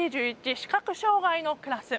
視覚障がいのクラス。